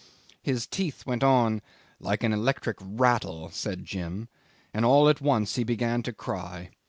His teeth went on "like an electric rattle," said Jim, "and all at once he began to cry.